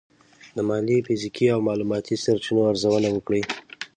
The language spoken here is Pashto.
د مالي، فزیکي او معلوماتي سرچینو ارزونه وکړئ.